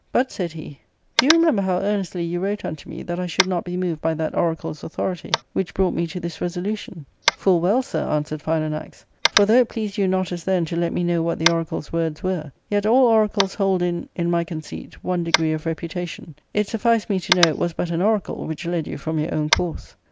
But," said he, " do you remember how earnestly you wrote unto me that I should not be. moved by that oracle's authority, which brought me to this resolution ?'*" Full well, sir,*' answered Philanax, " for though it pleased you not as then to let me know what the oracle's words were — yet all oracles hold in, in my conceit, one 1 degree of reputation — it sufficed me to know it was but an I oracle which led you from your own course."